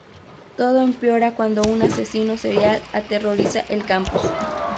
Todo empeora cuando un asesino serial aterroriza el campus.